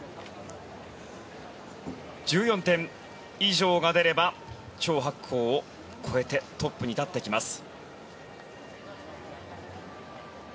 １４点以上が出ればチョウ・ハクコウを超えてトップに立ってきます。